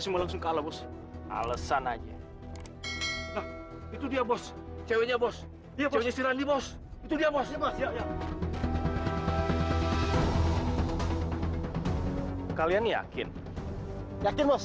semua langsung kalah bos alesan aja itu dia bos ceweknya bos itu dia bos kalian yakin yakin bos